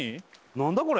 何だこれ？